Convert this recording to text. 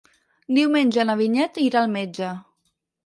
Diumenge na Vinyet irà al metge.